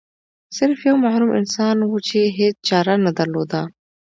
سرف یو محروم انسان و چې هیڅ چاره نه درلوده.